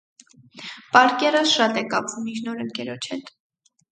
Պարկերը շատ է կապվում իր նոր ընկերոջ հետ։